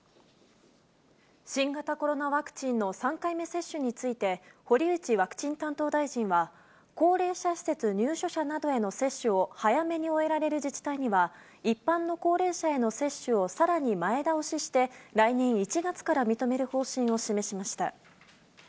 新型コロナワクチンの３回目接種について、堀内ワクチン担当大臣は、高齢者施設入所者などへの接種を早めに終えられる自治体には、一般の高齢者への接種をさらに前倒しして、来年１月から認める方針を示しました。